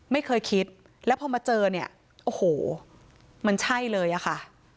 ไม่เคยคิดแล้วพอมาเจอเนี่ยโอ้โหมันใช่เลยอะค่ะ